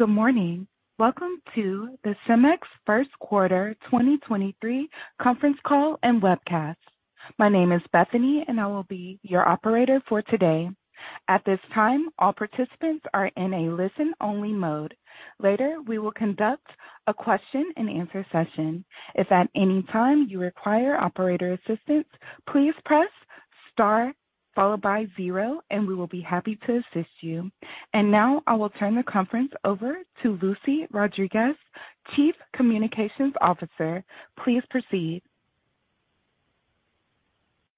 Good morning. Welcome to the CEMEX First Quarter 2023 Conference Call and Webcast. My name is Bethany, and I will be your operator for today. At this time, all participants are in a listen-only mode. Later, we will conduct a question-and-answer session. If at any time you require operator assistance, please press star followed by zero, and we will be happy to assist you. Now I will turn the conference over to Lucy Rodriguez, Chief Communications Officer. Please proceed.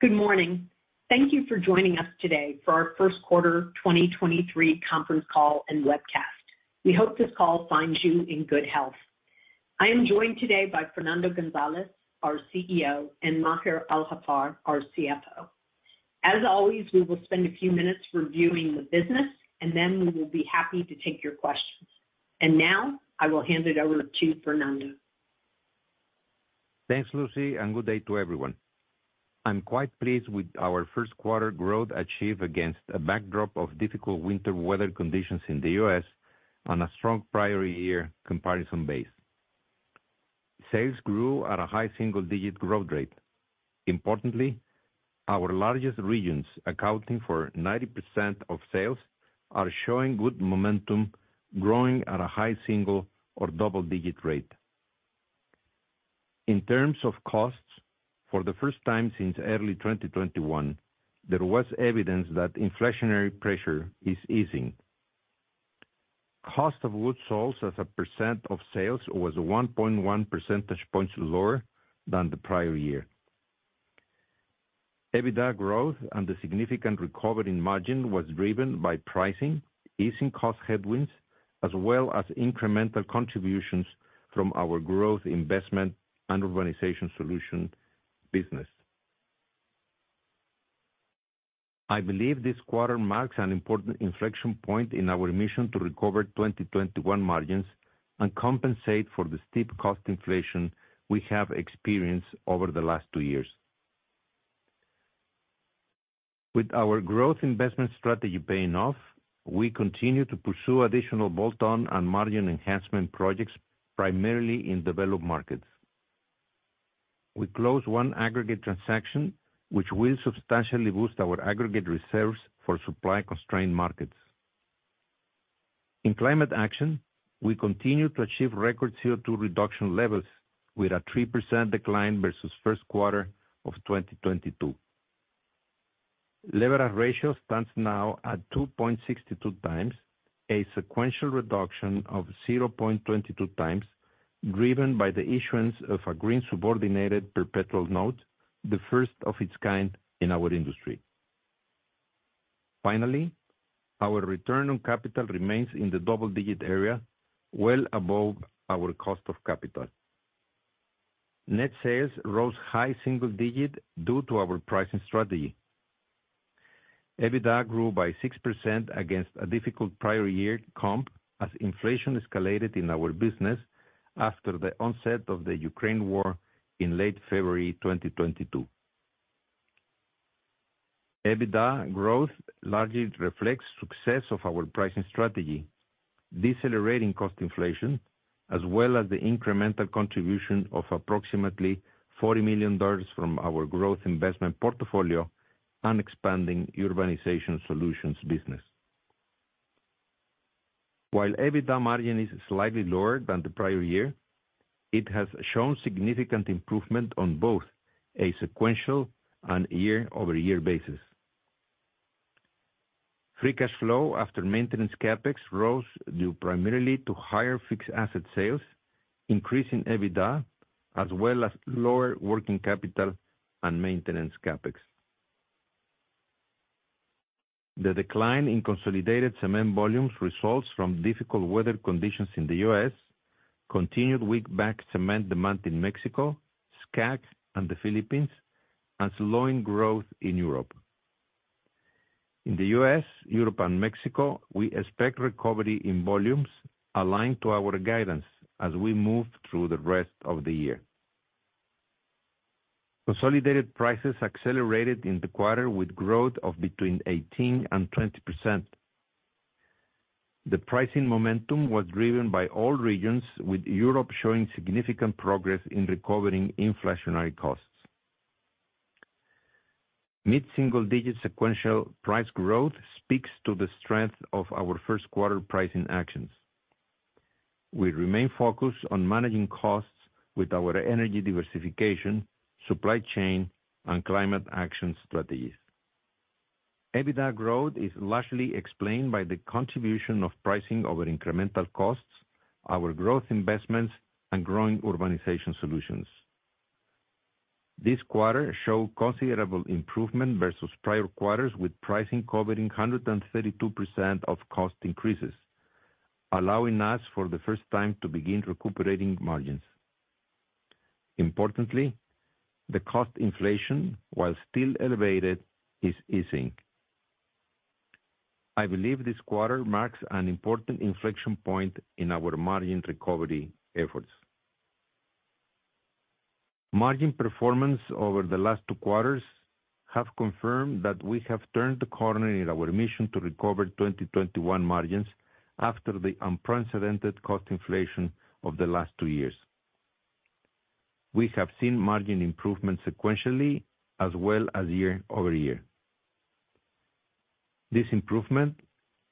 Good morning. Thank you for joining us today for our first quarter 2023 conference call and webcast. We hope this call finds you in good health. I am joined today by Fernando Gonzalez, our CEO, and Maher Al-Haffar, our CFO. As always, we will spend a few minutes reviewing the business, then we will be happy to take your questions. Now I will hand it over to Fernando. Thanks, Lucy, and good day to everyone. I'm quite pleased with our first quarter growth achieved against a backdrop of difficult winter weather conditions in the U.S. on a strong prior year comparison base. Sales grew at a high single-digit growth rate. Importantly, our largest regions accounting for 90% of sales are showing good momentum, growing at a high single or double-digit rate. In terms of costs, for the first time since early 2021, there was evidence that inflationary pressure is easing. Cost of goods sold as a percent of sales was 1.1 percentage points lower than the prior year. EBITDA growth and the significant recovery in margin was driven by pricing, easing cost headwinds, as well as incremental contributions from our growth investment and Urbanization Solutions business. I believe this quarter marks an important inflection point in our mission to recover 2021 margins and compensate for the steep cost inflation we have experienced over the last two years. With our growth investment strategy paying off, we continue to pursue additional bolt-on and margin enhancement projects, primarily in developed markets. We closed one aggregate transaction which will substantially boost our aggregate reserves for supply-constrained markets. In climate action, we continue to achieve record CO2 reduction levels with a 3% decline versus first quarter of 2022. Leverage ratio stands now at 2.62x, a sequential reduction of 0.22x, driven by the issuance of a green subordinated perpetual note, the first of its kind in our industry. Finally, our return on capital remains in the double-digit area, well above our cost of capital. Net sales rose high single digit due to our pricing strategy. EBITDA grew by 6% against a difficult prior year comp as inflation escalated in our business after the onset of the Ukraine War in late February 2022. EBITDA growth largely reflects success of our pricing strategy, decelerating cost inflation, as well as the incremental contribution of approximately $40 million from our growth investment portfolio and expanding Urbanization Solutions business. While EBITDA margin is slightly lower than the prior year, it has shown significant improvement on both a sequential and year-over-year basis. Free cash flow after maintenance CapEx rose due primarily to higher fixed asset sales, increase in EBITDA, as well as lower working capital and maintenance CapEx. The decline in consolidated cement volumes results from difficult weather conditions in the U.S., continued weak bagged cement demand in Mexico, SCAC and the Philippines, and slowing growth in Europe. In the U.S., Europe and Mexico, we expect recovery in volumes aligned to our guidance as we move through the rest of the year. Consolidated prices accelerated in the quarter with growth of between 18% and 20%. The pricing momentum was driven by all regions, with Europe showing significant progress in recovering inflationary costs. Mid-single digit sequential price growth speaks to the strength of our first quarter pricing actions. We remain focused on managing costs with our energy diversification, supply chain and climate action strategies. EBITDA growth is largely explained by the contribution of pricing over incremental costs, our growth investments and growing Urbanization Solutions. This quarter showed considerable improvement versus prior quarters, with pricing covering 132% of cost increases, allowing us for the first time to begin recuperating margins. Importantly, the cost inflation, while still elevated, is easing. I believe this quarter marks an important inflection point in our margin recovery efforts. Margin performance over the last two quarters have confirmed that we have turned the corner in our mission to recover 2021 margins after the unprecedented cost inflation of the last two years. We have seen margin improvement sequentially as well as year-over-year. This improvement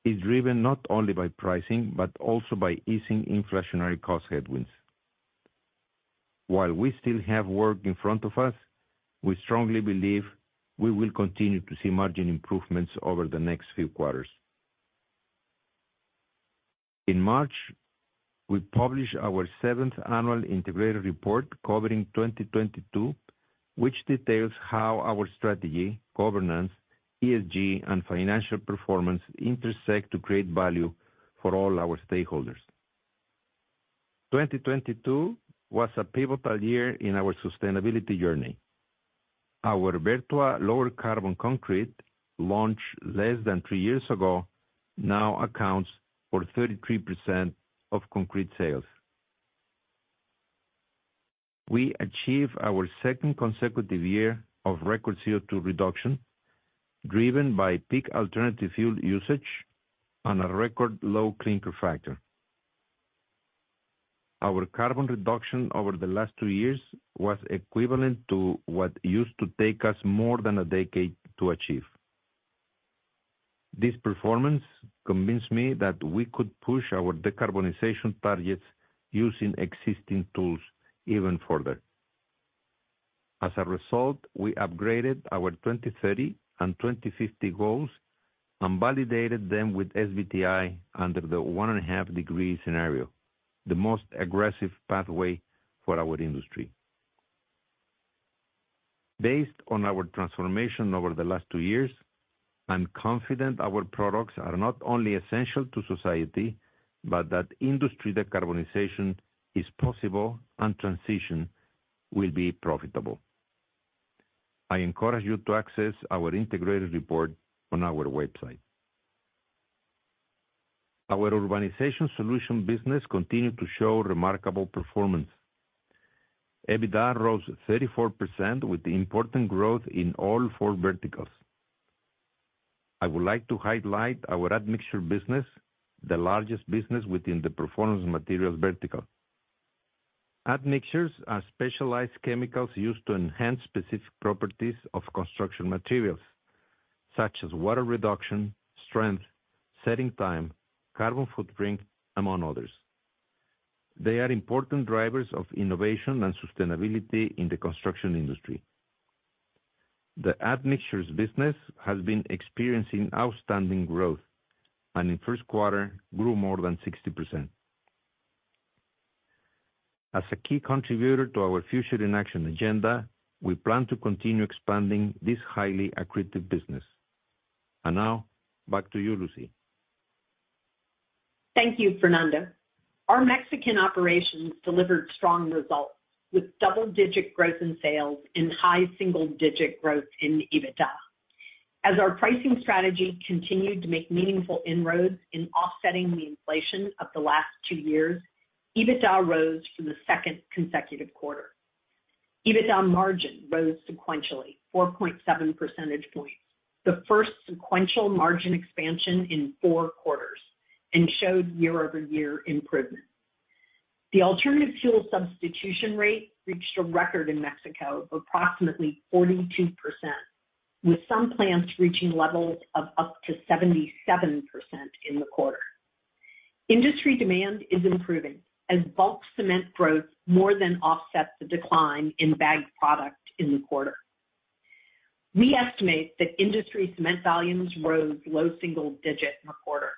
is driven not only by pricing, but also by easing inflationary cost headwinds. While we still have work in front of us, we strongly believe we will continue to see margin improvements over the next few quarters. In March, we published our seventh annual integrated report covering 2022, which details how our strategy, governance, ESG, and financial performance intersect to create value for all our stakeholders. 2022 was a pivotal year in our sustainability journey. Our Vertua lower carbon concrete launch less than three years ago, now accounts for 33% of concrete sales. We achieve our second consecutive year of record CO2 reduction, driven by peak alternative fuel usage on a record low clinker factor. Our carbon reduction over the last two years was equivalent to what used to take us more than a decade to achieve. This performance convinced me that we could push our decarbonization targets using existing tools even further. As a result, we upgraded our 2030 and 2050 goals and validated them with SBTi under the 1.5 degree scenario, the most aggressive pathway for our industry. Based on our transformation over the last two years, I'm confident our products are not only essential to society, but that industry decarbonization is possible and transition will be profitable. I encourage you to access our integrated report on our website. Our Urbanization Solutions business continued to show remarkable performance. EBITDA rose 34% with important growth in all four verticals. I would like to highlight our admixture business, the largest business within the performance materials vertical. Admixtures are specialized chemicals used to enhance specific properties of construction materials, such as water reduction, strength, setting time, carbon footprint, among others. They are important drivers of innovation and sustainability in the construction industry. The admixtures business has been experiencing outstanding growth, and in first quarter, grew more than 60%. As a key contributor to our Future in Action agenda, we plan to continue expanding this highly accretive business. Now back to you, Lucy. Thank you, Fernando. Our Mexican operations delivered strong results with double-digit growth in sales and high single-digit growth in EBITDA. Our pricing strategy continued to make meaningful inroads in offsetting the inflation of the last two years, EBITDA rose for the second consecutive quarter. EBITDA margin rose sequentially 4.7 percentage points, the first sequential margin expansion in four quarters, and showed year-over-year improvement. The alternative fuel substitution rate reached a record in Mexico of approximately 42%, with some plants reaching levels of up to 77% in the quarter. Industry demand is improving as bulk cement growth more than offsets the decline in bagged product in the quarter. We estimate that industry cement volumes rose low single-digit in the quarter.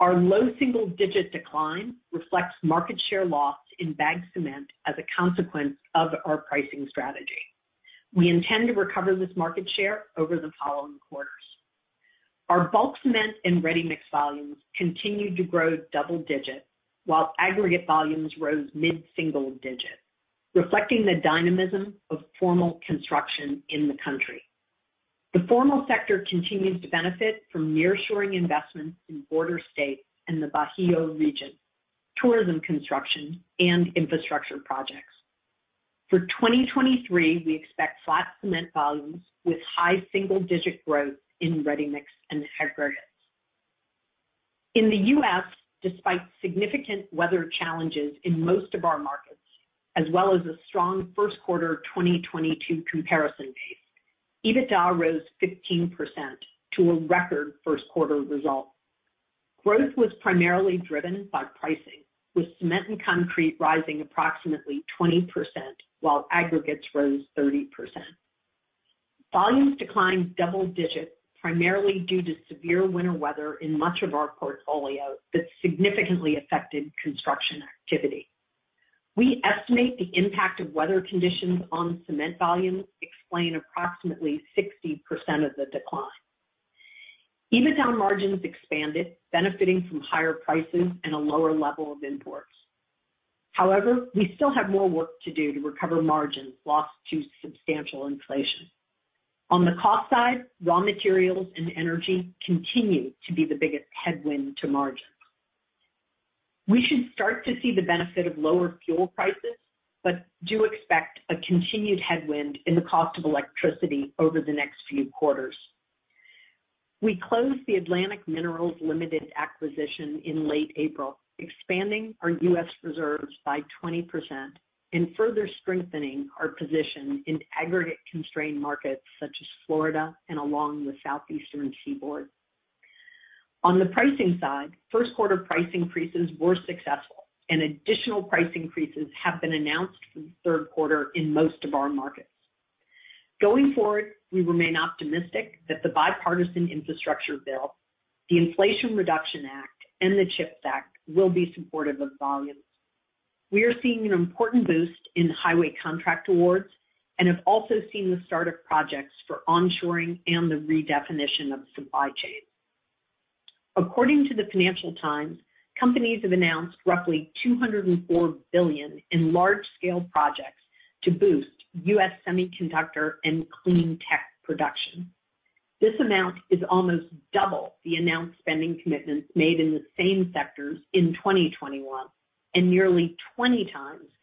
Our low single-digit decline reflects market share loss in bagged cement as a consequence of our pricing strategy. We intend to recover this market share over the following quarters. Our bulk cement and ready-mix volumes continued to grow double-digit, while aggregate volumes rose mid-single-digit, reflecting the dynamism of formal construction in the country. The formal sector continues to benefit from nearshoring investments in border states and the Bajío region, tourism construction, and infrastructure projects. For 2023, we expect flat cement volumes with high-single-digit growth in ready-mix and aggregates. In the U.S., despite significant weather challenges in most of our markets, as well as a strong first quarter 2022 comparison base, EBITDA rose 15% to a record first quarter result. Growth was primarily driven by pricing, with cement and concrete rising approximately 20%, while aggregates rose 30%. Volumes declined double-digit, primarily due to severe winter weather in much of our portfolio that significantly affected construction activity. We estimate the impact of weather conditions on cement volumes explain approximately 60% of the decline. EBITDA margins expanded, benefiting from higher prices and a lower level of imports. However, we still have more work to do to recover margins lost to substantial inflation. On the cost side, raw materials and energy continue to be the biggest headwind to margin. We should start to see the benefit of lower fuel prices, but do expect a continued headwind in the cost of electricity over the next few quarters. We closed the Atlantic Minerals Limited acquisition in late April, expanding our U.S. reserves by 20% and further strengthening our position in aggregate constrained markets such as Florida and along the Southeastern seaboard. On the pricing side, first quarter price increases were successful and additional price increases have been announced for the third quarter in most of our markets. Going forward, we remain optimistic that the Bipartisan Infrastructure Law, the Inflation Reduction Act, and the CHIPS Act will be supportive of volumes. We are seeing an important boost in highway contract awards and have also seen the start of projects for onshoring and the redefinition of supply chain. According to the Financial Times, companies have announced roughly $204 billion in large-scale projects to boost U.S. semiconductor and clean tech production. This amount is almost double the announced spending commitments made in the same sectors in 2021, and nearly 20x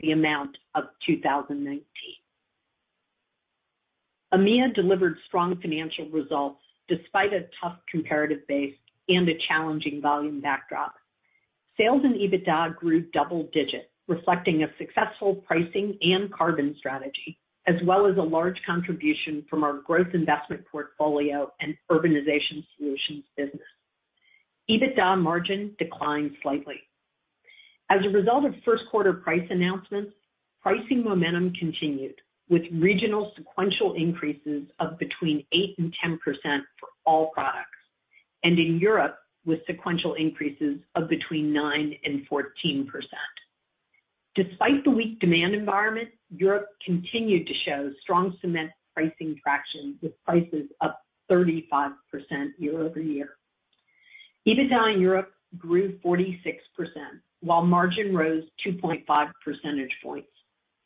the amount of 2019. AMEA delivered strong financial results despite a tough comparative base and a challenging volume backdrop. Sales and EBITDA grew double digits, reflecting a successful pricing and carbon strategy, as well as a large contribution from our growth investment portfolio and Urbanization Solutions business. EBITDA margin declined slightly. As a result of first quarter price announcements, pricing momentum continued, with regional sequential increases of between 8% and 10% for all products. In Europe, with sequential increases of between 9% and 14%. Despite the weak demand environment, Europe continued to show strong cement pricing traction, with prices up 35% year-over-year. EBITDA in Europe grew 46%, while margin rose 2.5 percentage points,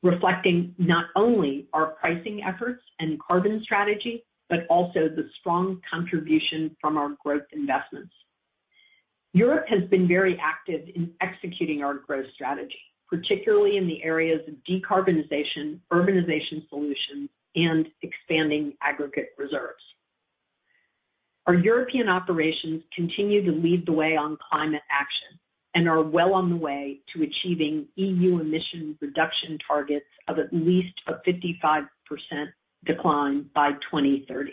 reflecting not only our pricing efforts and carbon strategy, but also the strong contribution from our growth investments. Europe has been very active in executing our growth strategy, particularly in the areas of decarbonization, Urbanization Solutions, and expanding aggregate reserves. Our European operations continue to lead the way on climate action and are well on the way to achieving EU emission reduction targets of at least a 55% decline by 2030.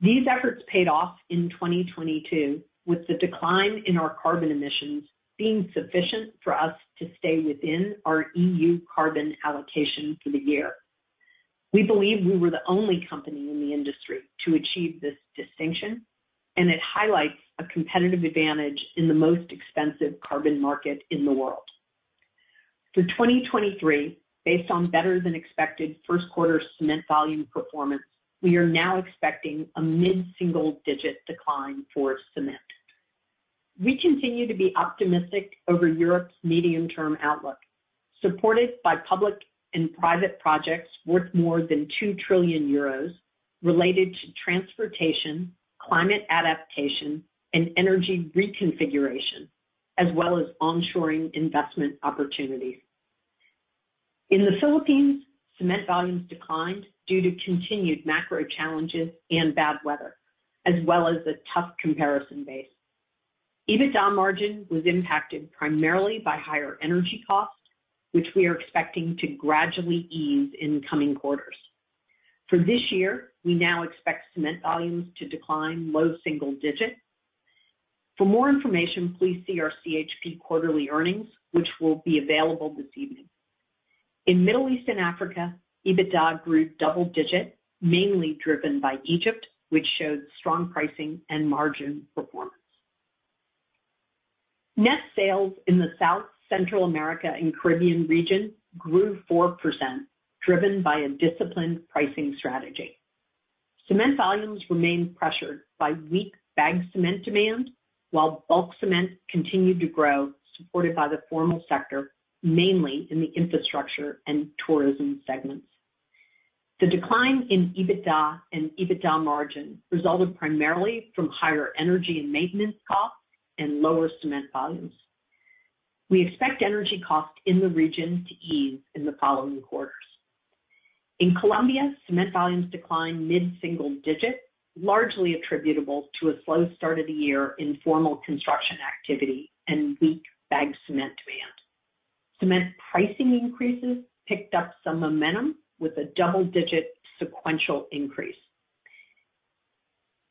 These efforts paid off in 2022, with the decline in our carbon emissions being sufficient for us to stay within our EU carbon allocation for the year. We believe we were the only company in the industry to achieve this distinction, and it highlights a competitive advantage in the most expensive carbon market in the world. For 2023, based on better than expected first quarter cement volume performance, we are now expecting a mid-single-digit decline for cement. We continue to be optimistic over Europe's medium-term outlook, supported by public and private projects worth more than 2 trillion euros related to transportation, climate adaptation, and energy reconfiguration, as well as onshoring investment opportunities. In the Philippines, cement volumes declined due to continued macro challenges and bad weather, as well as a tough comparison base. EBITDA margin was impacted primarily by higher energy costs, which we are expecting to gradually ease in coming quarters. For this year, we now expect cement volumes to decline low single-digit. For more information, please see our CHP quarterly earnings, which will be available this evening. In Middle East and Africa, EBITDA grew double-digit, mainly driven by Egypt, which showed strong pricing and margin performance. Net sales in the South Central America and Caribbean region grew 4%, driven by a disciplined pricing strategy. Cement volumes remained pressured by weak bagged cement demand, while bulk cement continued to grow, supported by the formal sector, mainly in the infrastructure and tourism segments. The decline in EBITDA and EBITDA margin resulted primarily from higher energy and maintenance costs and lower cement volumes. We expect energy costs in the region to ease in the following quarters. In Colombia, cement volumes declined mid-single digit, largely attributable to a slow start of the year in formal construction activity and weak bagged cement demand. Cement pricing increases picked up some momentum with a double-digit sequential increase.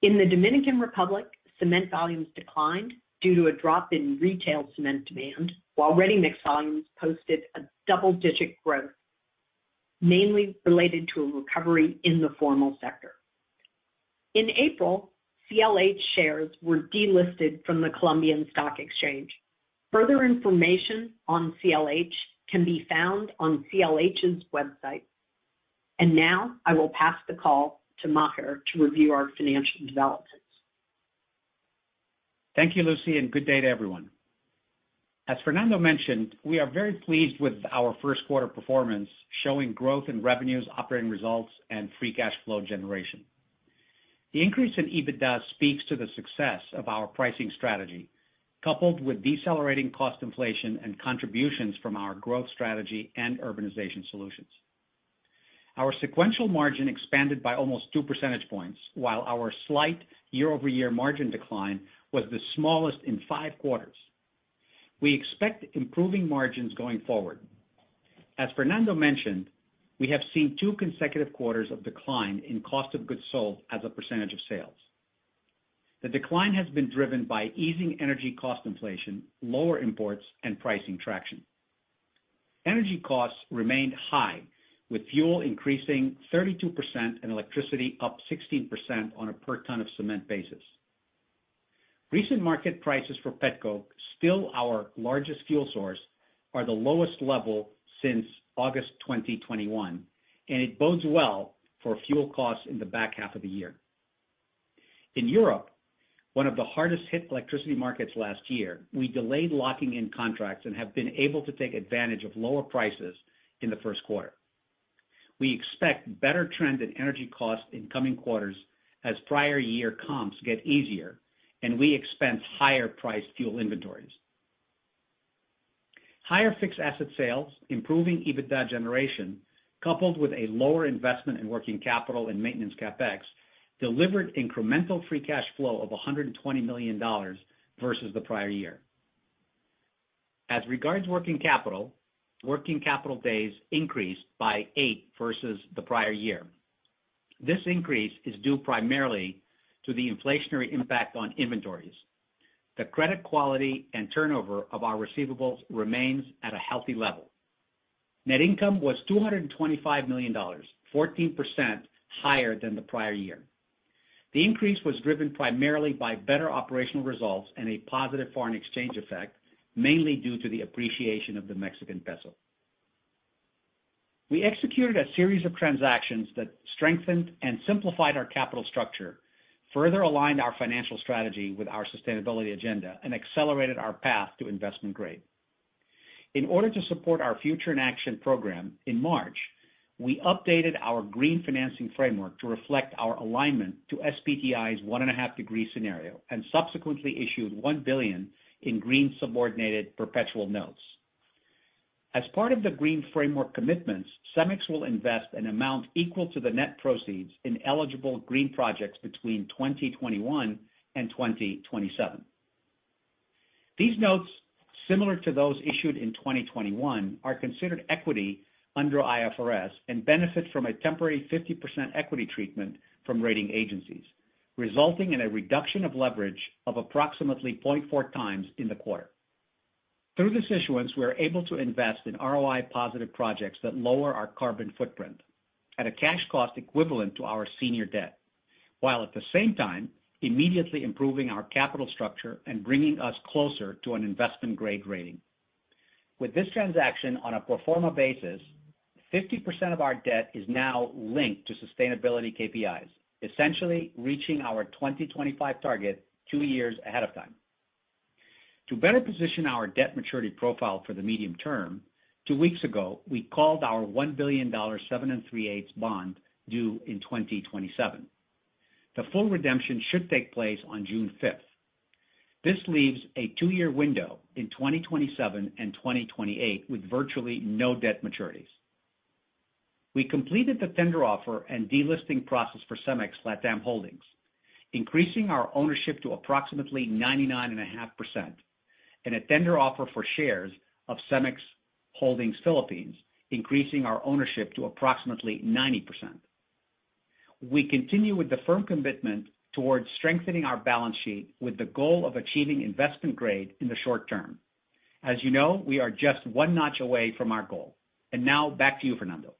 In the Dominican Republic, cement volumes declined due to a drop in retail cement demand, while ready-mix volumes posted a double-digit growth, mainly related to a recovery in the formal sector. In April, CLH shares were delisted from the Colombian Stock Exchange. Further information on CLH can be found on CLH's website. Now I will pass the call to Maher to review our financial developments. Thank you, Lucy, and good day to everyone. As Fernando mentioned, we are very pleased with our first quarter performance, showing growth in revenues, operating results, and free cash flow generation. The increase in EBITDA speaks to the success of our pricing strategy, coupled with decelerating cost inflation and contributions from our growth strategy and Urbanization Solutions. Our sequential margin expanded by almost 2 percentage points, while our slight year-over-year margin decline was the smallest in 5 quarters. We expect improving margins going forward. As Fernando mentioned, we have seen two consecutive quarters of decline in cost of goods sold as a percentage of sales. The decline has been driven by easing energy cost inflation, lower imports, and pricing traction. Energy costs remained high, with fuel increasing 32% and electricity up 16% on a per ton of cement basis. Recent market prices for petcoke, still our largest fuel source, are the lowest level since August 2021. It bodes well for fuel costs in the back half of the year. In Europe, one of the hardest hit electricity markets last year, we delayed locking in contracts and have been able to take advantage of lower prices in the first quarter. We expect better trend in energy costs in coming quarters as prior year comps get easier and we expense higher priced fuel inventories. Higher fixed asset sales, improving EBITDA generation, coupled with a lower investment in working capital and maintenance CapEx, delivered incremental free cash flow of $120 million versus the prior year. As regards working capital, working capital days increased by eight versus the prior year. This increase is due primarily to the inflationary impact on inventories. The credit quality and turnover of our receivables remains at a healthy level. Net income was $225 million, 14% higher than the prior year. The increase was driven primarily by better operational results and a positive foreign exchange effect, mainly due to the appreciation of the Mexican peso. We executed a series of transactions that strengthened and simplified our capital structure, further aligned our financial strategy with our sustainability agenda, and accelerated our path to investment grade. In order to support our Future in Action program in March, we updated our green financing framework to reflect our alignment to SBTi's 1.5-degree scenario, and subsequently issued $1 billion in green subordinated perpetual notes. As part of the green framework commitments, CEMEX will invest an amount equal to the net proceeds in eligible green projects between 2021 and 2027. These notes, similar to those issued in 2021, are considered equity under IFRS and benefit from a temporary 50% equity treatment from rating agencies, resulting in a reduction of leverage of approximately 0.4x in the quarter. Through this issuance, we are able to invest in ROI positive projects that lower our carbon footprint at a cash cost equivalent to our senior debt, while at the same time immediately improving our capital structure and bringing us closer to an investment grade rating. With this transaction, on a pro forma basis, 50% of our debt is now linked to sustainability KPIs, essentially reaching our 2025 target two years ahead of time. To better position our debt maturity profile for the medium term, two weeks ago, we called our $1 billion 7.375% bond due in 2027. The full redemption should take place on June 5th. This leaves a two-year window in 2027 and 2028 with virtually no debt maturities. We completed the tender offer and delisting process for CEMEX Latam Holdings, increasing our ownership to approximately 99.5%, and a tender offer for shares of CEMEX Holdings Philippines, increasing our ownership to approximately 90%. We continue with the firm commitment towards strengthening our balance sheet with the goal of achieving investment grade in the short term. As you know, we are just one notch away from our goal. Now back to you, Fernando.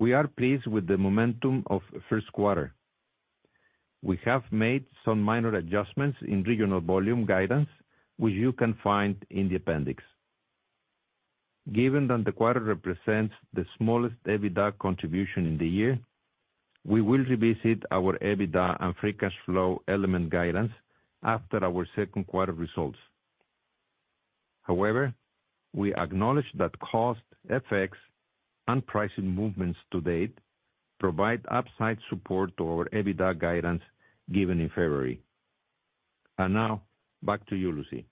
We are pleased with the momentum of first quarter. We have made some minor adjustments in regional volume guidance, which you can find in the appendix. Given that the quarter represents the smallest EBITDA contribution in the year, we will revisit our EBITDA and free cash flow element guidance after our second quarter results. However, we acknowledge that cost effects and pricing movements to date provide upside support to our EBITDA guidance given in February. Now back to you, Lucy.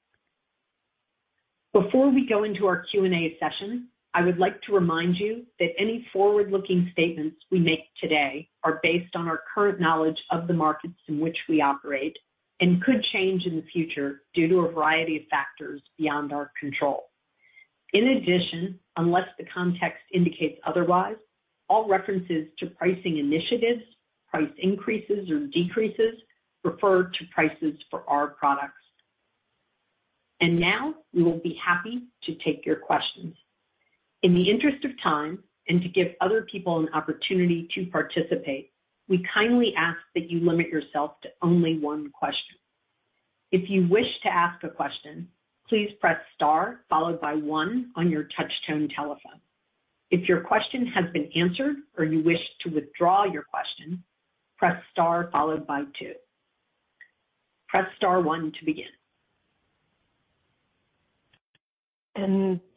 Before we go into our Q&A session, I would like to remind you that any forward-looking statements we make today are based on our current knowledge of the markets in which we operate and could change in the future due to a variety of factors beyond our control. In addition, unless the context indicates otherwise, all references to pricing initiatives, price increases or decreases, refer to prices for our products. Now, we will be happy to take your questions. In the interest of time and to give other people an opportunity to participate, we kindly ask that you limit yourself to only one question. If you wish to ask a question, please press star followed by one on your touch tone telephone. If your question has been answered or you wish to withdraw your question, press star followed by two. Press star one to begin.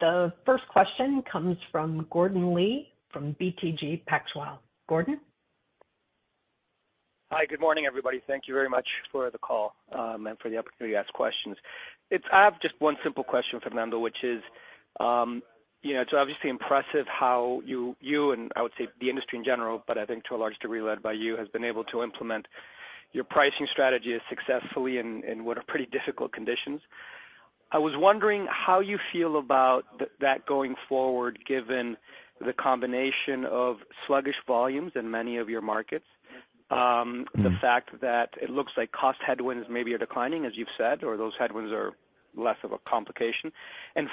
The first question comes from Gordon Lee from BTG Pactual. Gordon? Hi, good morning, everybody. Thank you very much for the call, and for the opportunity to ask questions. I have just one simple question, Fernando, which is, you know, it's obviously impressive how you and I would say the industry in general, but I think to a large degree led by you, has been able to implement your pricing strategy as successfully in what are pretty difficult conditions. I was wondering how you feel about that going forward, given the combination of sluggish volumes in many of your markets, the fact that it looks like cost headwinds maybe are declining, as you've said, or those headwinds are less of a complication.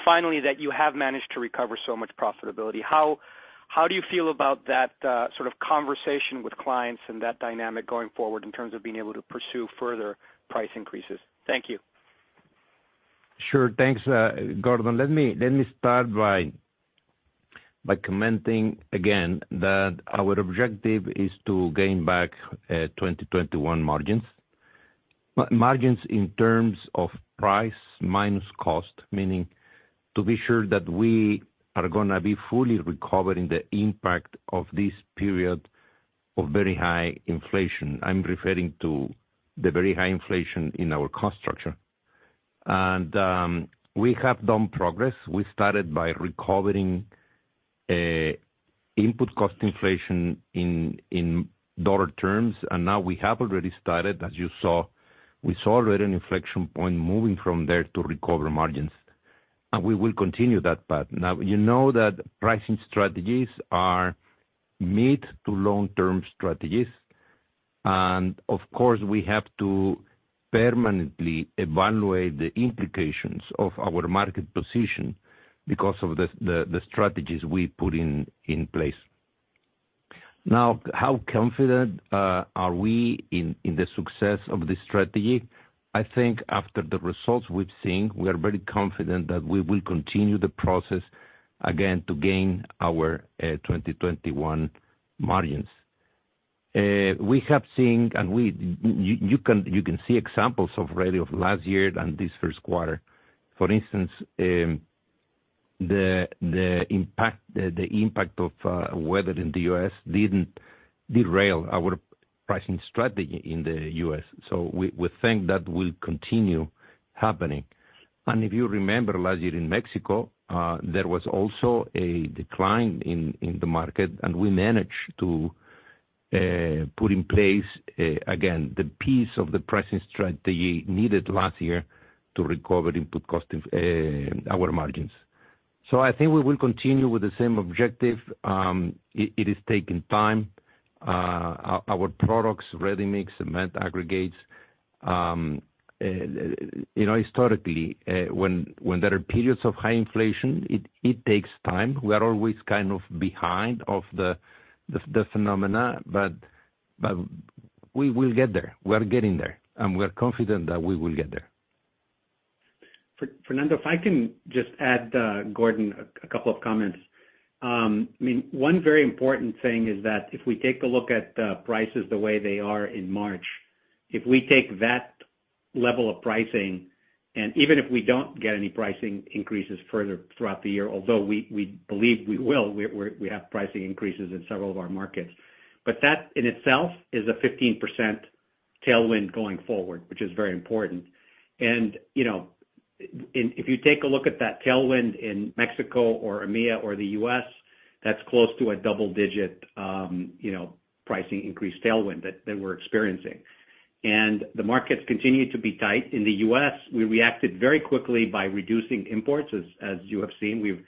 Finally, that you have managed to recover so much profitability. How do you feel about that sort of conversation with clients and that dynamic going forward in terms of being able to pursue further price increases? Thank you. Sure. Thanks, Gordon. Let me start by commenting again that our objective is to gain back 2021 margins. Margins in terms of price minus cost, meaning to be sure that we are gonna be fully recovering the impact of this period of very high inflation. I'm referring to the very high inflation in our cost structure. We have done progress. We started by recovering input cost inflation in dollar terms, and now we have already started, as you saw. We saw already an inflection point moving from there to recover margins. We will continue that path. Now, you know that pricing strategies are mid- to long-term strategies, and of course, we have to permanently evaluate the implications of our market position because of the strategies we put in place. Now, how confident are we in the success of this strategy? I think after the results we've seen, we are very confident that we will continue the process again to gain our 2021 margins. We have seen. You can see examples already of last year and this first quarter. For instance, the impact of weather in the US didn't derail our pricing strategy in the US. We think that will continue happening. If you remember last year in Mexico, there was also a decline in the market, and we managed to put in place again, the piece of the pricing strategy needed last year to recover input cost of our margins. I think we will continue with the same objective. It is taking time. Our products, ready-mix, cement, aggregates, you know, historically, when there are periods of high inflation, it takes time. We are always kind of behind of the phenomena. We will get there. We are getting there, and we are confident that we will get there. Fernando, if I can just add, Gordon, a couple of comments. I mean, one very important thing is that if we take a look at prices the way they are in March, if we take that level of pricing, even if we don't get any pricing increases further throughout the year, although we believe we will, we have pricing increases in several of our markets. That in itself is a 15% tailwind going forward, which is very important. You know, if you take a look at that tailwind in Mexico or EMEA or the U.S., that's close to a double-digit, you know, pricing increase tailwind that we're experiencing. The markets continue to be tight. In the U.S., we reacted very quickly by reducing imports. As you have seen, we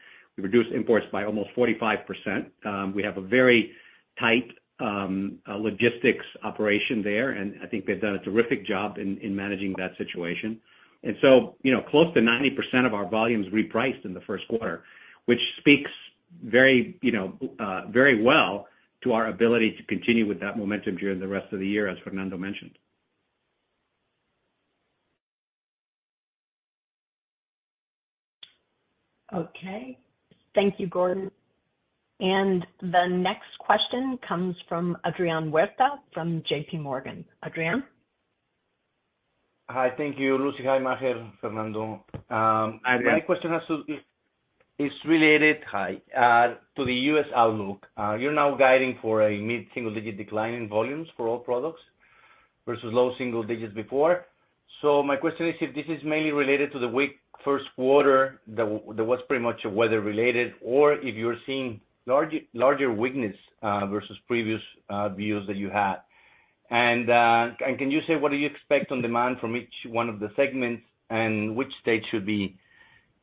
reduced imports by almost 45%. We have a very tight logistics operation there, and I think they've done a terrific job in managing that situation. You know, close to 90% of our volumes repriced in the first quarter, which speaks very, you know, very well to our ability to continue with that momentum during the rest of the year, as Fernando mentioned. Okay. Thank you, Gordon. The next question comes from Adrian Huerta from JPMorgan. Adrian? Hi. Thank you, Lucy. Hi, Maher, Fernando. Adrian. My question is related, hi, to the U.S. outlook. You're now guiding for a mid-single-digit decline in volumes for all products versus low-single-digits before. My question is if this is mainly related to the weak first quarter that was pretty much weather-related or if you're seeing larger weakness versus previous views that you had. Can you say what do you expect on demand from each one of the segments, and which state should be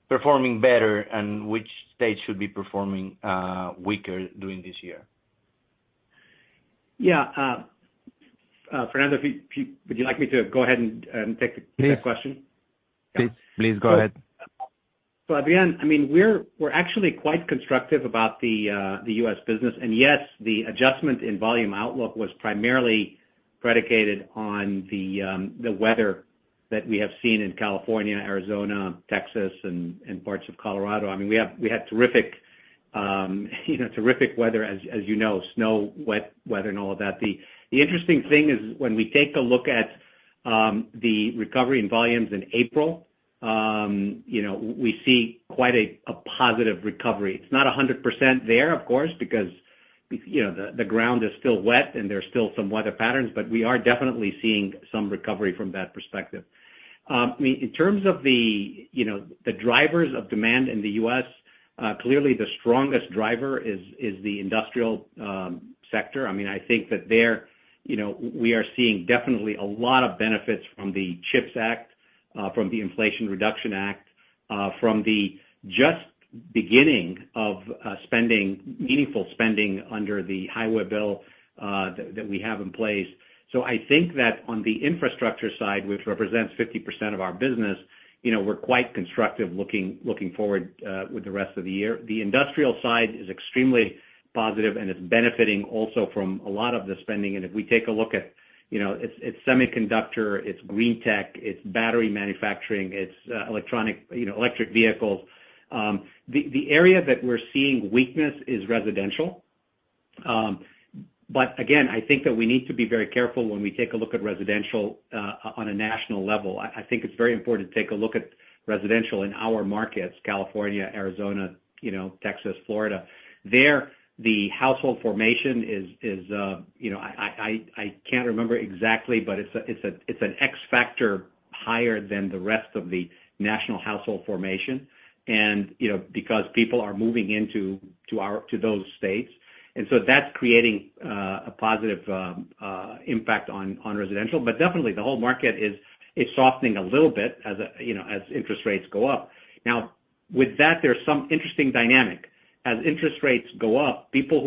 performing better and which state should be performing weaker during this year? Yeah. Fernando, would you like me to go ahead and? Please. That question? Please go ahead. Adrian, I mean, we're actually quite constructive about the U.S. business. Yes, the adjustment in volume outlook was primarily predicated on the weather that we have seen in California, Arizona, Texas, and parts of Colorado. I mean, we had terrific, you know, terrific weather, as you know, snow, wet weather and all of that. The interesting thing is when we take a look at the recovery in volumes in April, you know, we see quite a positive recovery. It's not 100% there, of course, because, you know, the ground is still wet and there's still some weather patterns, but we are definitely seeing some recovery from that perspective. I mean, in terms of the, you know, the drivers of demand in the U.S., clearly the strongest driver is the industrial sector. I mean, I think that there, you know, we are seeing definitely a lot of benefits from the CHIPS Act, from the Inflation Reduction Act, from the just beginning of spending, meaningful spending under the highway bill, that we have in place. I think that on the infrastructure side, which represents 50% of our business, you know, we're quite constructive looking forward with the rest of the year. The industrial side is extremely positive, and it's benefiting also from a lot of the spending. If we take a look at, you know, it's semiconductor, it's green tech, it's battery manufacturing, it's electronic, you know, electric vehicles. The area that we're seeing weakness is residential. Again, I think that we need to be very careful when we take a look at residential on a national level. I think it's very important to take a look at residential in our markets, California, Arizona, you know, Texas, Florida. There, the household formation is, you know, I can't remember exactly, but it's a, it's a, it's an X factor higher than the rest of the national household formation and, you know, because people are moving into, to our, to those states. That's creating a positive impact on residential. Definitely the whole market is softening a little bit as, you know, as interest rates go up. With that, there's some interesting dynamic. As interest rates go up, people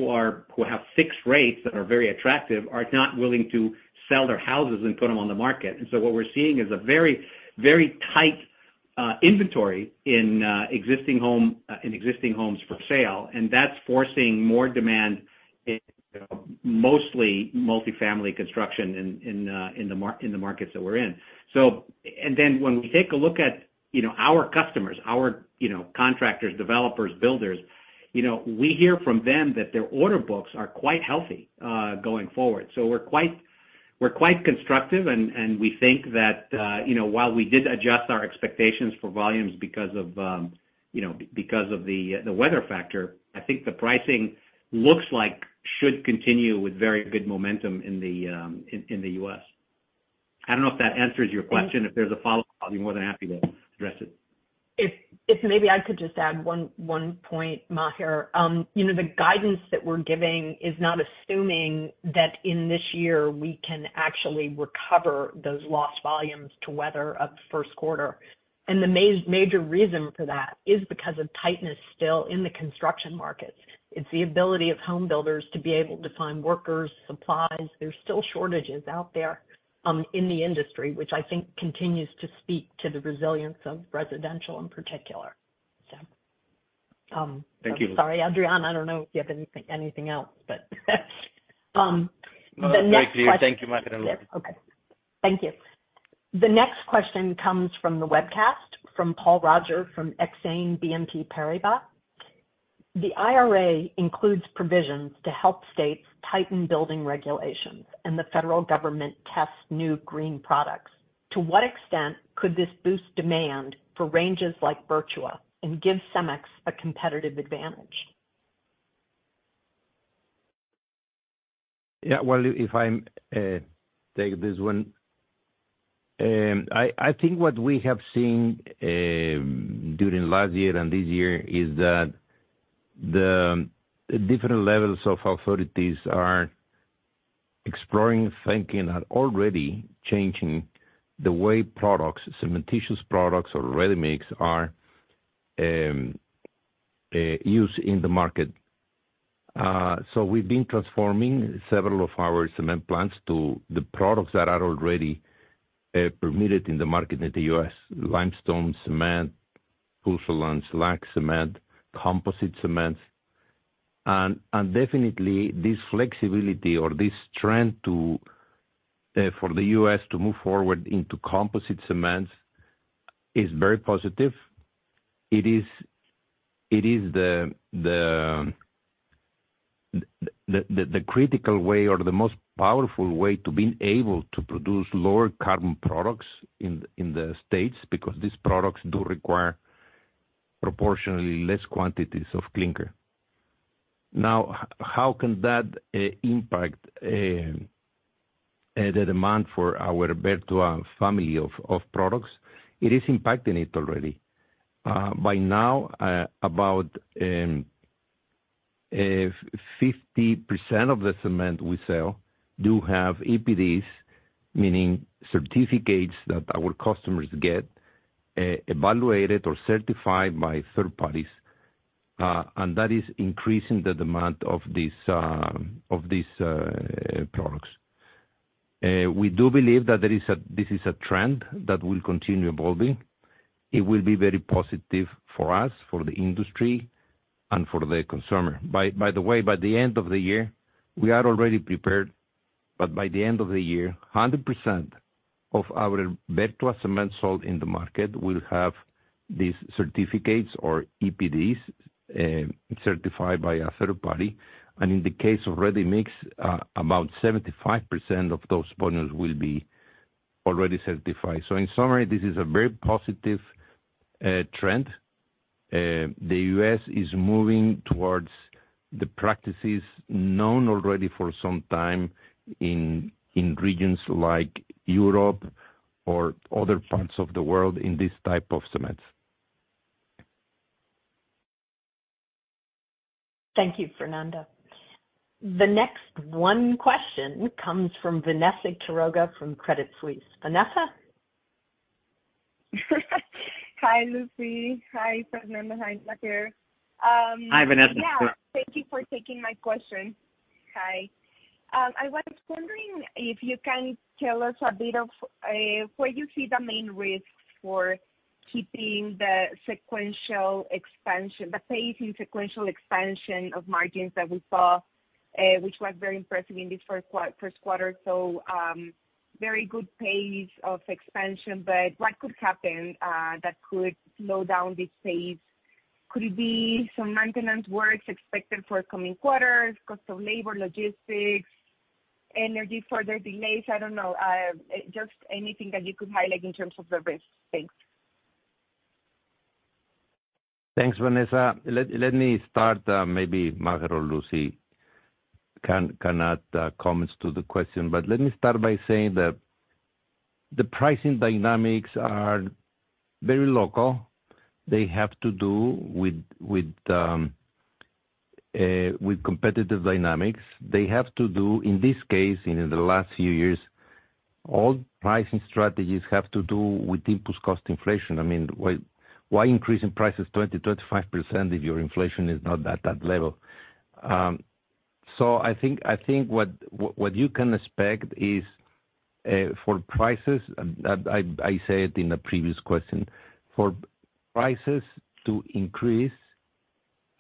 who have fixed rates that are very attractive are not willing to sell their houses and put them on the market. What we're seeing is a very, very tight inventory in existing homes for sale, and that's forcing more demand in, mostly multifamily construction in the markets that we're in. When we take a look at, you know, our customers, our, you know, contractors, developers, builders, you know, we hear from them that their order books are quite healthy going forward. We're quite constructive and we think that, you know, while we did adjust our expectations for volumes because of, you know, because of the weather factor, I think the pricing looks like should continue with very good momentum in the U.S. I don't know if that answers your question. If there's a follow-up, I'll be more than happy to address it. If maybe I could just add one point, Maher, you know, the guidance that we're giving is not assuming that in this year we can actually recover those lost volumes to weather of first quarter. The major reason for that is because of tightness still in the construction markets. It's the ability of home builders to be able to find workers, supplies. There's still shortages out there in the industry, which I think continues to speak to the resilience of residential in particular. Thank you. Sorry, Adrian. I don't know if you have anything else. No. Thank you, Rodriguez. Okay. Thank you. The next question comes from the webcast, from Paul Roger from Exane BNP Paribas. The IRA includes provisions to help states tighten building regulations and the federal government test new green products. To what extent could this boost demand for ranges like Vertua and give CEMEX a competitive advantage? Well, if I'm take this one. I think what we have seen during last year and this year is that the different levels of authorities are exploring, thinking, and already changing the way products, cementitious products or ready-mix are used in the market. We've been transforming several of our cement plants to the products that are already permitted in the market in the U.S. Limestone cement, pozzolan slag cement, composite cements. Definitely this flexibility or this trend to for the U.S. to move forward into composite cements is very positive. It is the critical way or the most powerful way to being able to produce lower carbon products in the States, because these products do require proportionally less quantities of clinker. How can that impact the demand for our Vertua family of products? It is impacting it already. By now, about 50% of the cement we sell do have EPDs, meaning certificates that our customers get evaluated or certified by third parties, and that is increasing the demand of these products. We do believe that this is a trend that will continue evolving. It will be very positive for us, for the industry, and for the consumer. By the way, by the end of the year, 100% of our bagged cement sold in the market will have these certificates or EPDs certified by a third party. In the case of ready-mix, about 75% of those partners will be already certified. In summary, this is a very positive trend. The U.S. is moving towards the practices known already for some time in regions like Europe or other parts of the world in this type of cements. Thank you, Fernando. The next one question comes from Vanessa Quiroga from Credit Suisse. Vanessa? Hi, Lucy. Hi, Fernando. Hi, Maher. Hi, Vanessa. Yeah. Thank you for taking my question. Hi. I was wondering if you can tell us a bit of where you see the main risks for keeping the sequential expansion, the pace in sequential expansion of margins that we saw, which was very impressive in this first quarter? Very good pace of expansion, but what could happen that could slow down this pace? Could it be some maintenance works expected for coming quarters, cost of labor, logistics, energy, further delays? I don't know, just anything that you could highlight in terms of the risk? Thanks. Thanks, Vanessa. Let me start, maybe Maher or Lucy can add comments to the question. Let me start by saying that the pricing dynamics are very local. They have to do with competitive dynamics. They have to do, in this case, in the last few years, all pricing strategies have to do with input cost inflation. I mean, why increase in price is 20%, 25% if your inflation is not at that level? I think what you can expect is for prices, that I said in the previous question, for prices to increase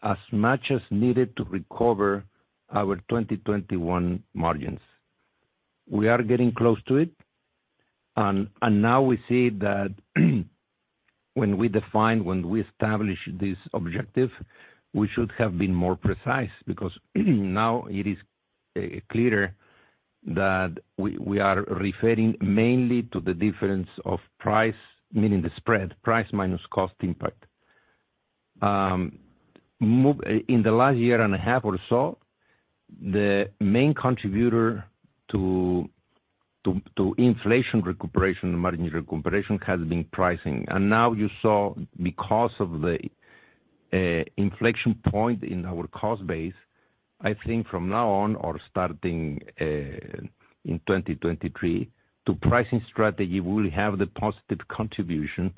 as much as needed to recover our 2021 margins. We are getting close to it, and now we see that when we define, when we establish this objective, we should have been more precise. Now it is clear that we are referring mainly to the difference of price, meaning the spread, price minus cost impact. In the last year and a half or so, the main contributor to inflation recuperation, margin recuperation, has been pricing. Now you saw because of the inflection point in our cost base, I think from now on or starting in 2023, the pricing strategy will have the positive contribution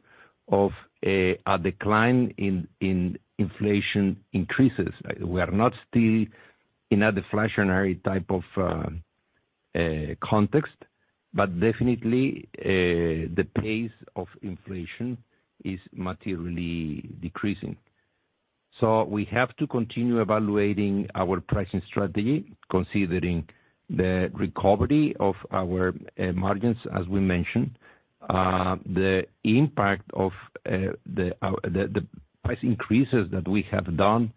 of a decline in inflation increases. We are not still in a deflationary type of context, but definitely the pace of inflation is materially decreasing. We have to continue evaluating our pricing strategy, considering the recovery of our margins, as we mentioned, the impact of the price increases that we have done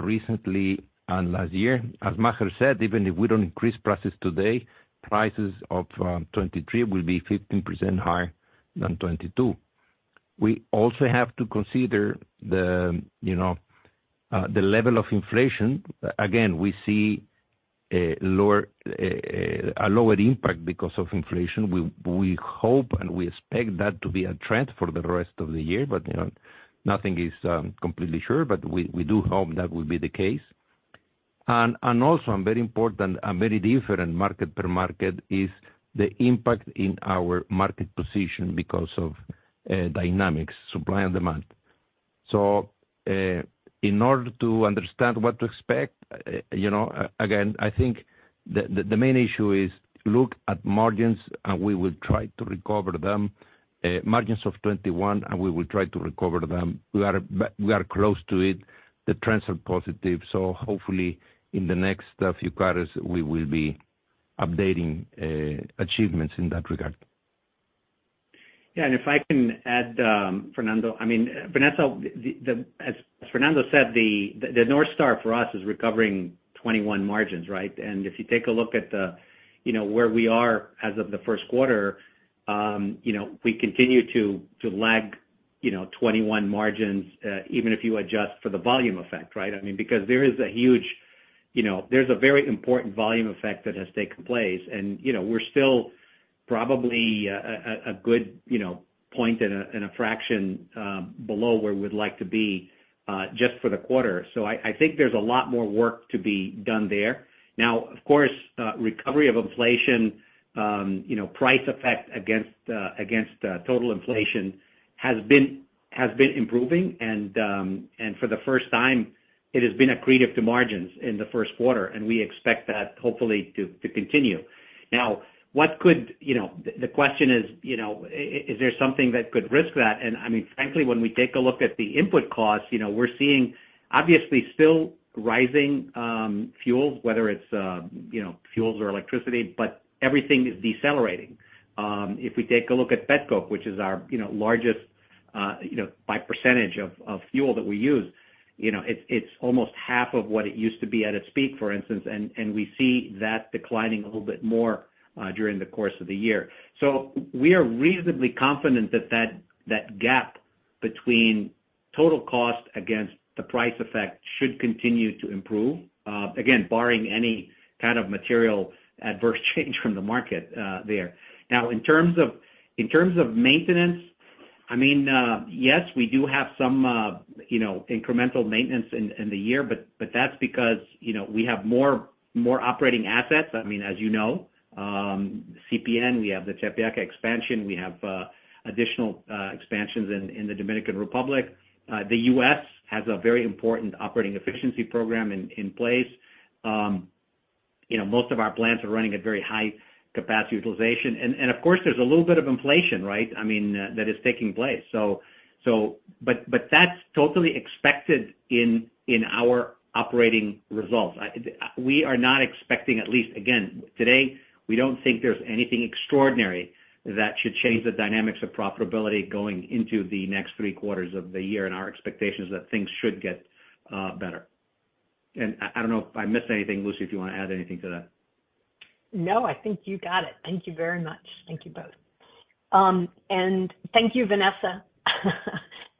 recently and last year. As Maher said, even if we don't increase prices today, prices of 2023 will be 15% higher than 2022. We also have to consider the, you know, the level of inflation. Again, we see a lower, a lower impact because of inflation. We hope and we expect that to be a trend for the rest of the year, but, you know, nothing is completely sure, but we do hope that will be the case. Also and very important and very different market per market is the impact in our market position because of dynamics, supply and demand. In order to understand what to expect, you know, again, I think the main issue is look at margins, and we will try to recover them. Margins of 2021, and we will try to recover them. We are close to it. The trends are positive. Hopefully in the next few quarters, we will be updating achievements in that regard. Yeah. If I can add, Fernando, I mean, Vanessa. As Fernando said, the North Star for us is recovering 21 margins, right? If you take a look at the, you know, where we are as of the first quarter, you know, we continue to lag, you know, 21 margins, even if you adjust for the volume effect, right? I mean, because there is a huge, you know, there's a very important volume effect that has taken place. You know, we're still probably a good, you know, point and a fraction below where we'd like to be just for the quarter. I think there's a lot more work to be done there. Now, of course, recovery of inflation, you know, price effect against total inflation has been improving and for the first time, it has been accretive to margins in the first quarter, and we expect that hopefully to continue. Now, what could, you know, the question is, you know, is there something that could risk that? I mean, frankly, when we take a look at the input costs, you know, we're seeing obviously still rising, fuels, whether it's, you know, fuels or electricity, but everything is decelerating. If we take a look at petcoke, which is our, you know, largest, you know, by percentage of fuel that we use, you know, it's almost half of what it used to be at its peak, for instance. We see that declining a little bit more during the course of the year. We are reasonably confident that gap between total cost against the price effect should continue to improve again, barring any kind of material adverse change from the market there. In terms of maintenance, I mean, yes, we do have some, you know, incremental maintenance in the year, but that's because, you know, we have more operating assets. I mean, as you know, CPN, we have the Chapala expansion. We have additional expansions in the Dominican Republic. The U.S. has a very important operating efficiency program in place. You know, most of our plants are running at very high capacity utilization. Of course, there's a little bit of inflation, right? I mean, that is taking place. That's totally expected in our operating results. We are not expecting, at least again, today, we don't think there's anything extraordinary that should change the dynamics of profitability going into the next three quarters of the year, and our expectation is that things should get better. I don't know if I missed anything, Lucy, if you wanna add anything to that? No, I think you got it. Thank you very much. Thank you both. Thank you, Vanessa.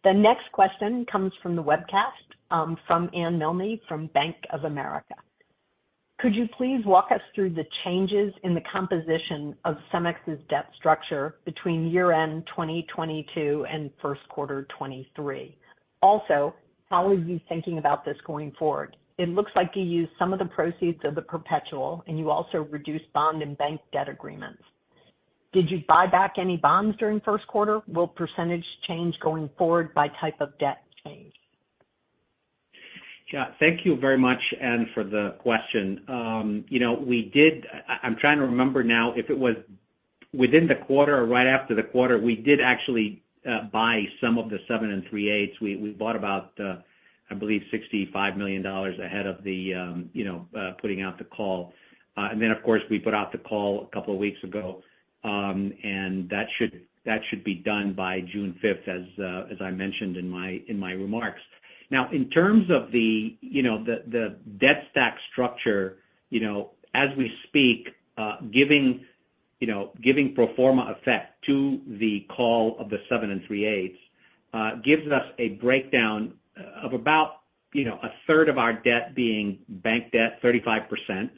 The next question comes from the webcast, from Anne Milne from Bank of America. Could you please walk us through the changes in the composition of CEMEX's debt structure between year-end 2022 and first quarter 2023? Also, how are you thinking about this going forward? It looks like you used some of the proceeds of the perpetual, and you also reduced bond and bank debt agreements. Did you buy back any bonds during first quarter? Will percentage change going forward by type of debt change? Yeah. Thank you very much, Anne, for the question. You know, I'm trying to remember now if it was within the quarter or right after the quarter, we did actually buy some of the 7.375%. We bought about I believe $65 million ahead of the you know, putting out the call. Of course, we put out the call a couple of weeks ago. That should be done by June 5th, as I mentioned in my remarks. In terms of the, you know, the debt stack structure, you know, as we speak, giving, you know, pro forma effect to the call of the 7.375%, gives us a breakdown of about, you know, 1/3 of our debt being bank debt, 35%,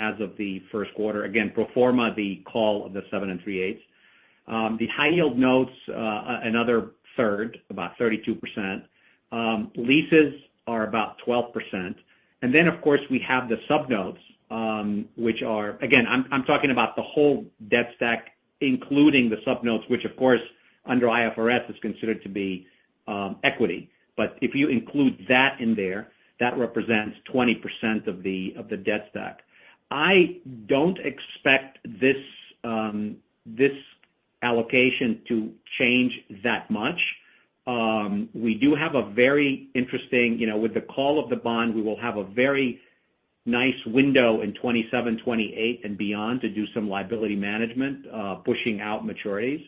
as of the first quarter, again, pro forma the call of the 7.375%. The high yield notes, another 1/3, about 32%. Leases are about 12%. Then, of course, we have the sub-notes, which are. Again, I'm talking about the whole debt stack, including the sub-notes, which of course, under IFRS, is considered to be equity. If you include that in there, that represents 20% of the debt stack. I don't expect this allocation to change that much. We do have a very interesting, you know, with the call of the bond, we will have a very nice window in 27, 28 and beyond to do some liability management, pushing out maturities.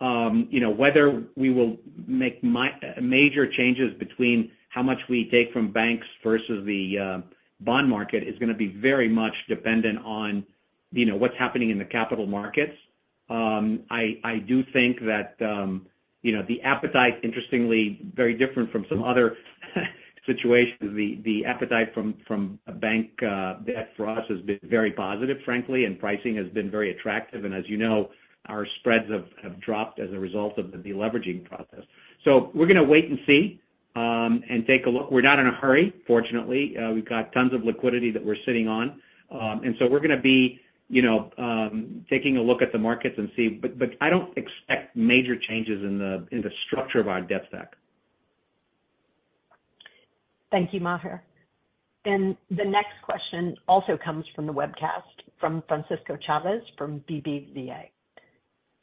You know, whether we will make major changes between how much we take from banks versus the bond market is gonna be very much dependent on, you know, what's happening in the capital markets. I do think that, you know, the appetite, interestingly, very different from some other situations. The appetite from a bank debt for us has been very positive, frankly, and pricing has been very attractive. As you know, our spreads have dropped as a result of the deleveraging process. We're gonna wait and see and take a look. We're not in a hurry, fortunately. We've got tons of liquidity that we're sitting on. We're gonna be, you know, taking a look at the markets and see. I don't expect major changes in the structure of our debt stack. Thank you, Maher. The next question also comes from the webcast from Francisco Chávez from BBVA.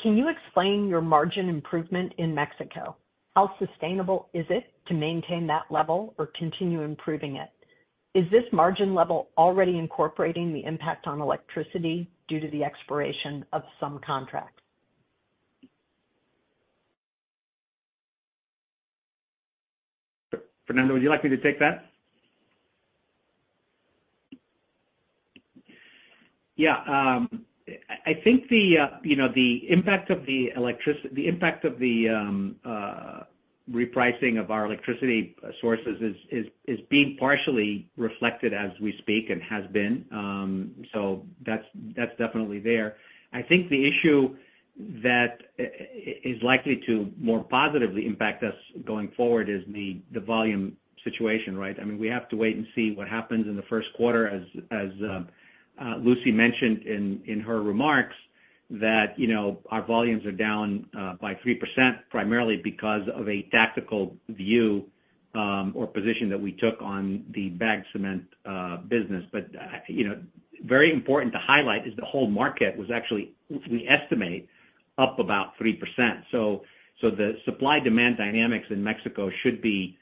Can you explain your margin improvement in Mexico? How sustainable is it to maintain that level or continue improving it? Is this margin level already incorporating the impact on electricity due to the expiration of some contracts? Fernando, would you like me to take that? Yeah. I think the, you know, the impact of the repricing of our electricity sources is being partially reflected as we speak and has been. That's definitely there. I think the issue that is likely to more positively impact us going forward is the volume situation, right? I mean, we have to wait and see what happens in the first quarter as Lucy mentioned in her remarks. That, you know, our volumes are down by 3% primarily because of a tactical view or position that we took on the bagged cement business. You know, very important to highlight is the whole market was actually, we estimate, up about 3%. The supply-demand dynamics in Mexico should be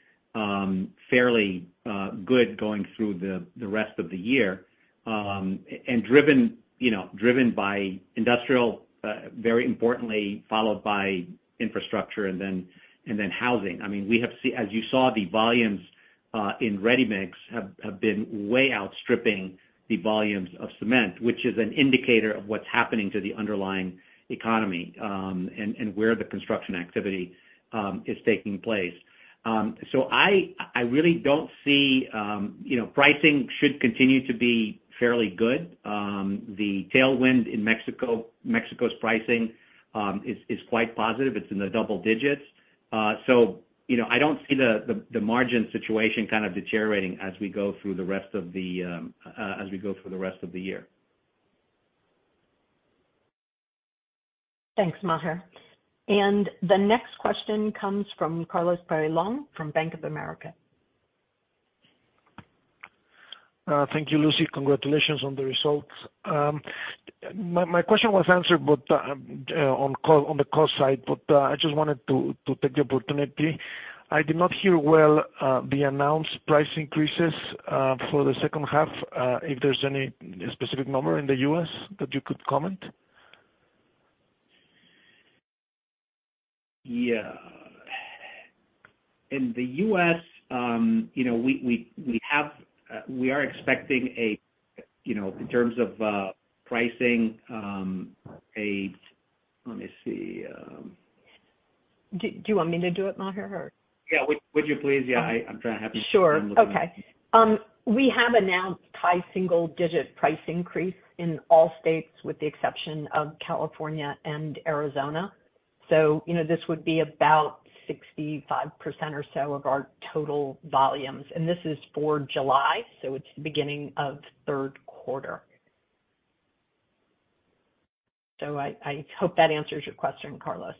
fairly good going through the rest of the year, and driven, you know, driven by industrial, very importantly, followed by infrastructure and then housing. I mean, as you saw, the volumes in ready-mix have been way outstripping the volumes of cement, which is an indicator of what's happening to the underlying economy, and where the construction activity is taking place. I really don't see, you know, pricing should continue to be fairly good. The tailwind in Mexico's pricing, is quite positive. It's in the double digits. You know, I don't see the margin situation kind of deteriorating as we go through the rest of the year. Thanks, Maher. The next question comes from Carlos Peyrelongue from Bank of America. Thank you, Lucy. Congratulations on the results. My question was answered, but on the call side, I just wanted to take the opportunity. I did not hear well the announced price increases for the second half, if there's any specific number in the U.S. that you could comment? Yeah. In the U.S., you know, we are expecting a, you know, in terms of pricing, Let me see. Do you want me to do it, Maher? Yeah. Would you please? Yeah, I'm trying to have you- Sure. Okay. We have announced high single digit price increase in all states, with the exception of California and Arizona. You know, this would be about 65% or so of our total volumes. This is for July, so it's the beginning of third quarter. I hope that answers your question, Carlos.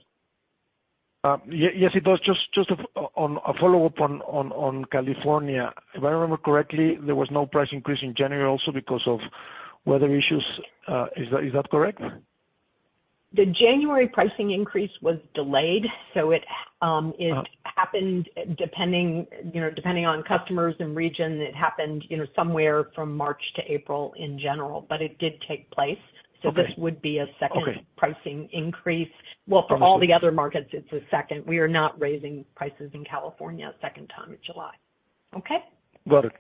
Yes, it does. Just on a follow-up on California. If I remember correctly, there was no price increase in January also because of weather issues. Is that correct? The January pricing increase was delayed, so it happened depending, you know, depending on customers and region, it happened, you know, somewhere from March to April in general, but it did take place. Okay. This would be a. Okay. Pricing increase. Well, for all the other markets, it's a second. We are not raising prices in California a second time in July. Okay? Got it.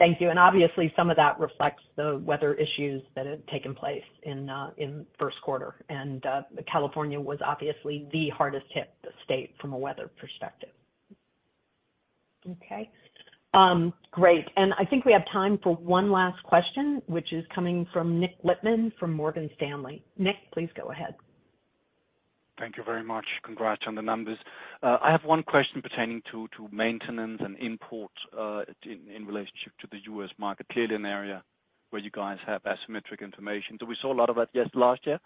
Thank you. Obviously, some of that reflects the weather issues that have taken place in in first quarter. California was obviously the hardest hit state from a weather perspective. Okay? Great. I think we have time for one last question, which is coming from Nikolaj Lippmann from Morgan Stanley. Nick, please go ahead. Thank you very much. Congrats on the numbers. I have one question pertaining to maintenance and imports in relationship to the U.S. market. Clearly an area where you guys have asymmetric information. We saw a lot of that just last year,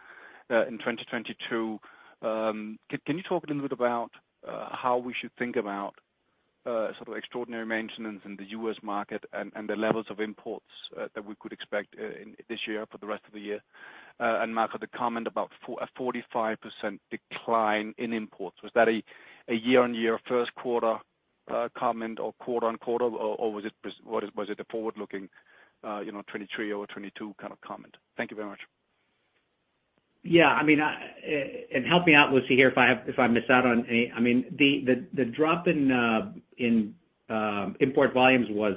in 2022. Can you talk a little bit about how we should think about sort of extraordinary maintenance in the U.S. market and the levels of imports that we could expect in this year for the rest of the year? Maher, the comment about a 45% decline in imports, was that a year-on-year first quarter comment or quarter-on-quarter or was it a forward-looking, you know, 23 over 22 kind of comment? Thank you very much. Yeah, I mean, and help me out, Lucy, here, if I miss out on any. I mean, the drop in import volumes was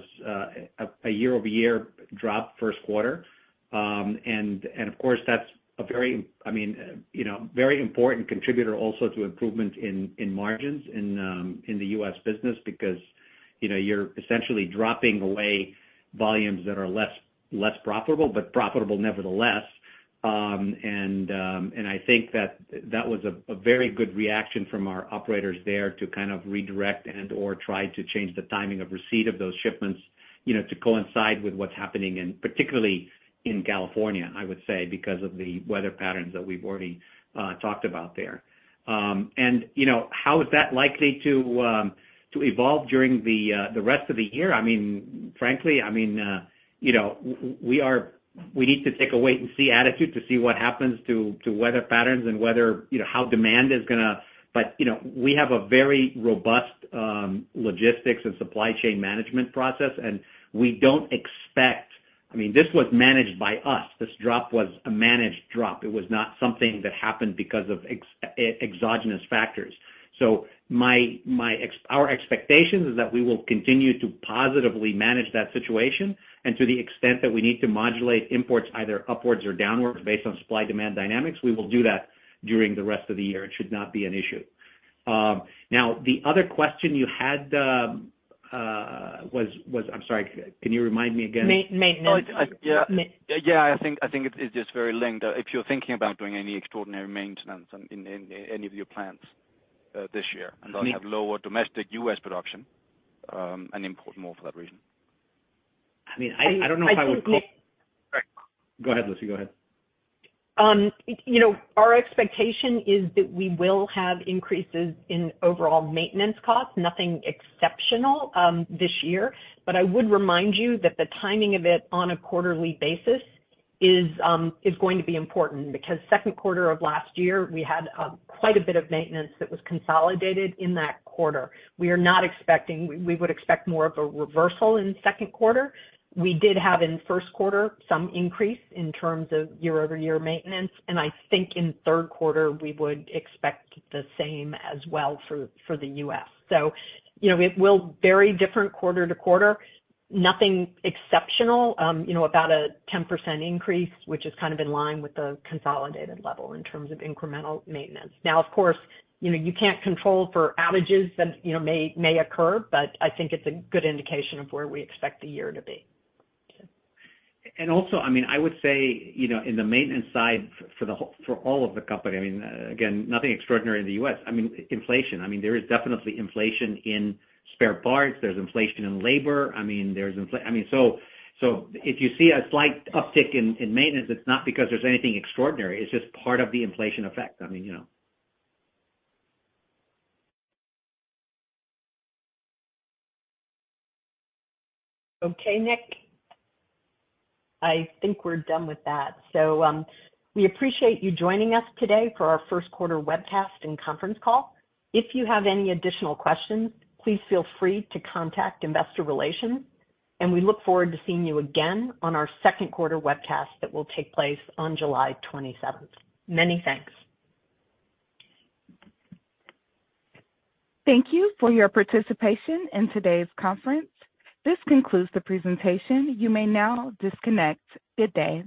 a year-over-year drop first quarter. Of course, that's a very, I mean, you know, very important contributor also to improvement in margins in the U.S. business because, you know, you're essentially dropping away volumes that are less profitable, but profitable nevertheless. I think that was a very good reaction from our operators there to kind of redirect and/or try to change the timing of receipt of those shipments, you know, to coincide with what's happening in, particularly in California, I would say, because of the weather patterns that we've already talked about there. You know, how is that likely to evolve during the rest of the year? I mean, frankly, I mean, you know, we need to take a wait and see attitude to see what happens to weather patterns and whether, you know, how demand is gonna. You know, we have a very robust logistics and supply chain management process, and I mean, this was managed by us. This drop was a managed drop. It was not something that happened because of exogenous factors. Our expectation is that we will continue to positively manage that situation. To the extent that we need to modulate imports either upwards or downwards based on supply-demand dynamics, we will do that during the rest of the year. It should not be an issue. The other question you had, I'm sorry, can you remind me again? Ma-main. Yeah. Ma. Yeah, I think it is just very linked. If you're thinking about doing any extraordinary maintenance in any of your plants, this year, you have lower domestic U.S. production, and import more for that reason. I mean, I don't know if I would. I think. Go ahead, Lucy, go ahead. You know, our expectation is that we will have increases in overall maintenance costs, nothing exceptional, this year. I would remind you that the timing of it on a quarterly basis is going to be important because second quarter of last year, we had quite a bit of maintenance that was consolidated in that quarter. We would expect more of a reversal in second quarter. We did have in first quarter some increase in terms of year-over-year maintenance, and I think in third quarter, we would expect the same as well for the U.S. You know, it will vary different quarter to quarter. Nothing exceptional, you know, about a 10% increase, which is kind of in line with the consolidated level in terms of incremental maintenance. Of course, you know, you can't control for outages that, you know, may occur, but I think it's a good indication of where we expect the year to be. Also, I mean, I would say, you know, in the maintenance side for all of the company, I mean, again, nothing extraordinary in the U.S. I mean, inflation. I mean, there is definitely inflation in spare parts. There's inflation in labor. I mean, so if you see a slight uptick in maintenance, it's not because there's anything extraordinary. It's just part of the inflation effect. I mean, you know. Okay, Nick. I think we're done with that. We appreciate you joining us today for our first quarter webcast and conference call. If you have any additional questions, please feel free to contact investor relations, we look forward to seeing you again on our second quarter webcast that will take place on July 27th. Many thanks. Thank you for your participation in today's conference. This concludes the presentation. You may now disconnect. Good day.